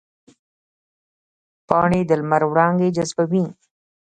پاڼې د لمر وړانګې جذبوي